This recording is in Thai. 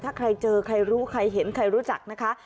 ถ้าใครเจอใครรู้ใครเห็นใครรู้จักนะคะ